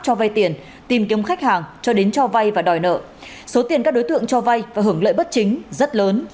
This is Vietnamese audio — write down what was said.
cho vai tiền tìm kiếm khách hàng cho đến cho vai và đòi nợ số tiền các đối tượng cho vai và hưởng lợi bất chính rất lớn